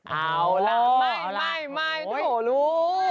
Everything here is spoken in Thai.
เอาล่ะไม่โหลลูก